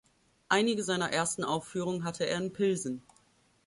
Einige seiner ersten Aufführungen hatte er in Pilsen.